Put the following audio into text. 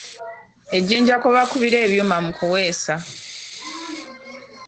Ejjinja kwe bakubira ebyuma mu kuweesa.